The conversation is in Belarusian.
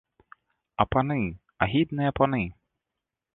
А паны, агідныя паны!